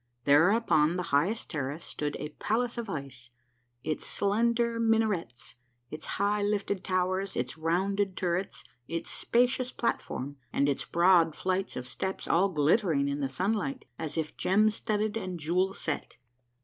There upon the highest terrace stood a palace of ice, its slender minarets, its high lifted towers, its rounded turrets, its spacious platform, and its broad flights of steps all glittering in the sunlight as if gem studded and jewel set.